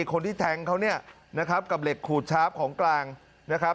คนที่แทงเขาเนี่ยนะครับกับเหล็กขูดชาร์ฟของกลางนะครับ